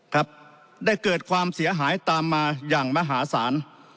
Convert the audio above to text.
ครับได้เกิดความเสียหายตามมาอย่างมหาศาล